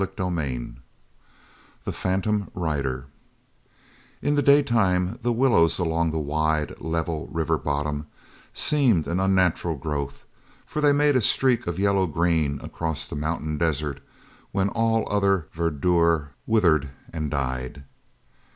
CHAPTER IX THE PHANTOM RIDER In the daytime the willows along the wide, level river bottom seemed an unnatural growth, for they made a streak of yellow green across the mountain desert when all other verdure withered and died.